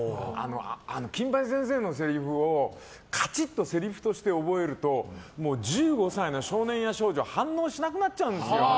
金八先生のせりふをカチッとせりふとして覚えるともう１５歳の少年や少女は反応しなくなっちゃうんです。